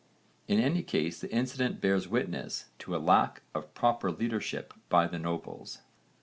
In any case the incident bears witness to a lack of proper leadership by the nobles.